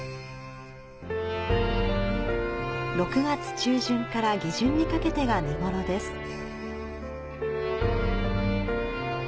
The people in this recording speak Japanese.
６月中旬から下旬にかけてが見ごろです。